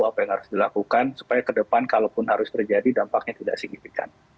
apa yang harus dilakukan supaya ke depan kalaupun harus terjadi dampaknya tidak signifikan